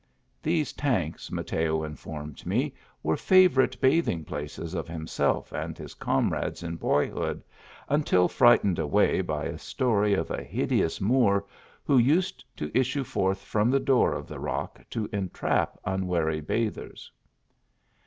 These tanks Mateo informed me were favourite bathing places of himself and his comrades in boyhood, until fright ened away by a story of a hideous Moor, who used to issue forth from the door in the rock to entrap unwary bathers.